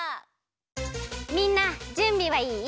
みんなじゅんびはいい？